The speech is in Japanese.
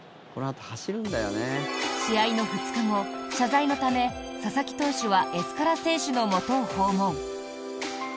試合の２日後、謝罪のため佐々木投手はエスカラ選手のもとを訪問。